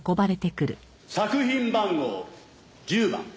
作品番号１０番。